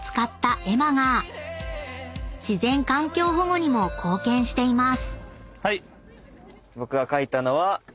［自然環境保護にも貢献しています］